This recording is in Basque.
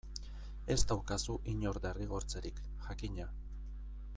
Ez daukazu inor derrigortzerik, jakina.